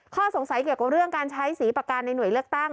ข้อสงสัยเกี่ยวกับเรื่องการใช้สีปากการในหน่วยเลือกตั้ง